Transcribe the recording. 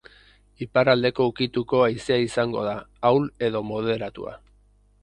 Iparraldeko ukituko haizea izango da, ahul edo moderatua.